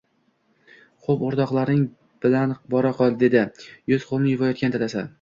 Xo`p, o`rtoqlaring bilan boraqol, dedi yuz-qo`lini yuvayotgan dadasi